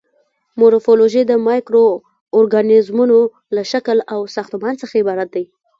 مورفولوژي د مایکرو ارګانیزمونو له شکل او ساختمان څخه عبارت دی.